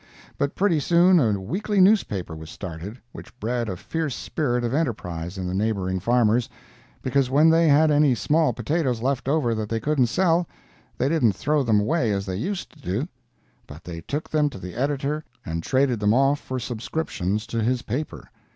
But pretty soon a weekly newspaper was started, which bred a fierce spirit of enterprise in the neighboring farmers, because when they had any small potatoes left over that they couldn't sell, they didn't throw them away as they used to do, but they took them to the editor and traded them off for subscriptions to his paper.